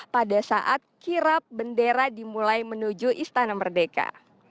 pada saat kirap bendera dimulai menuju istana merdeka